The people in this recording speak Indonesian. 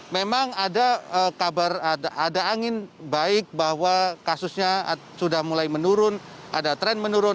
memang ada kabar ada angin baik bahwa kasusnya sudah mulai menurun ada tren menurun